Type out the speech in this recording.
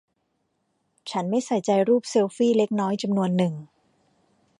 ฉันไม่ใส่ใจรูปเซลฟี่เล็กน้อยจำนวนหนึ่ง